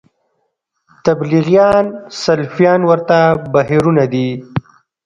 تبلیغیان سلفیان ورته بهیرونه دي